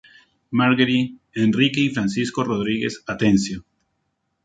Margery, Enrique y Francisco Rodríguez Atencio.